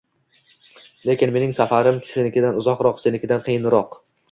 — Lekin mening safarim senikidan uzoqroq... senikidan qiyinroq...